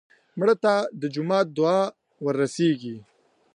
مړه ته د جومات دعا ورسېږي